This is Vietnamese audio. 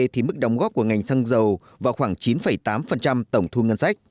thì mức đóng góp của ngành xăng dầu vào khoảng chín tám tổng thu ngân sách